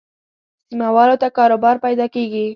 سیمه والو ته کاروبار پیدا کېږي.